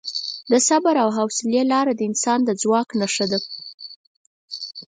د صبر او حوصلې لار د انسان د ځواک نښه ده.